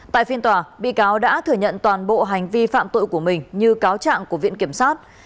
tại phiên tòa bị cáo đã thừa nhận toàn bộ hành vi phạm tội của mình như cáo trạng của viện kiểm sát